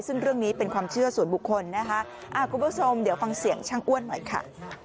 ซึ่งเรื่องนี้เป็นความเชื่อส่วนบุคคลนะคะคุณผู้ชมเดี๋ยวฟังเสียงช่างอ้วนหน่อยค่ะ